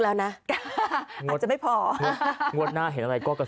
ตุนตุนตุนตุนตุน